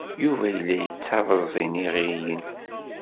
Yuba yella yettabeẓ iniɣiyen.